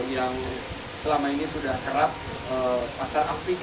yang selama ini kita sudah memiliki pasaran yang sangat berharga